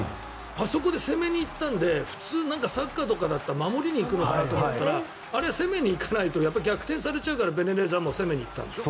あそこで攻めに行ったので普通、サッカーとかだったら守りに行くのかなと思ったらあれ、攻めに行かないとやっぱり逆転されちゃうからベネズエラも攻めに行ったんでしょ？